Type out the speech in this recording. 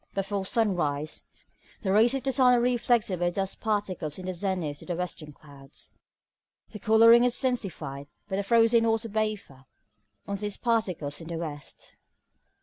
Before sunrise, the rays of the sun are reflected by dust particles in the zenith to the western clouds. The colouring is intensified by the frozen water vapour on these particles in the west.